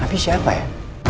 abi siapa ya